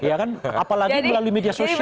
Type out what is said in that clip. ya kan apalagi melalui media sosial